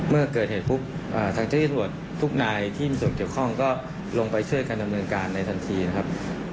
เมื่อเกิดเหตุปุ๊บทางเจ้าที่ตำรวจทุกนายที่มีส่วนเกี่ยวข้องก็ลงไปช่วยกันดำเนินการในทันทีนะครับ